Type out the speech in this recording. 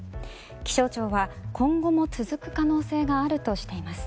気象庁は今後も続く可能性があるとしています。